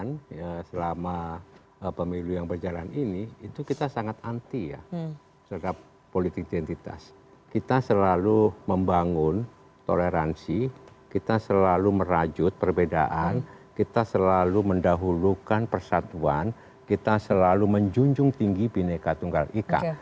pengalaman pt perjuangan selama pemilu yang berjalan ini itu kita sangat anti ya terhadap politik identitas kita selalu membangun toleransi kita selalu merajut perbedaan kita selalu mendahulukan persatuan kita selalu menjunjung tinggi bineka tunggal ika